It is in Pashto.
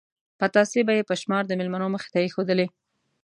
پتاسې به یې په شمار د مېلمنو مخې ته ایښودلې.